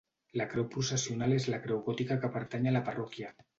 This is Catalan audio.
La creu processional és la creu gòtica que pertany a la parròquia.